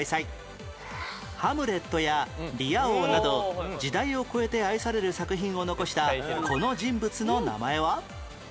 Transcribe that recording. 『ハムレット』や『リア王』など時代を超えて愛される作品を残したこの人物の名前は？